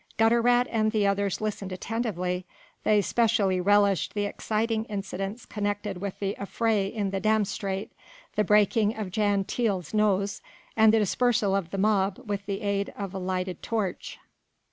Gutter rat and the others listened attentively. They specially relished the exciting incidents connected with the affray in Dam Straat, the breaking of Jan Tiele's nose and the dispersal of the mob with the aid of a lighted torch.